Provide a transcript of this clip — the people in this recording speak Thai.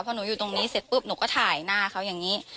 พอหนูอยู่ตรงนี้เสร็จปุ๊บหนูก็ถ่ายหน้าเขาอย่างนี้